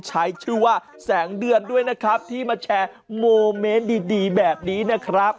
ใช้ชื่อว่าแสงเดือนด้วยนะครับที่มาแชร์โมเมนต์ดีแบบนี้นะครับ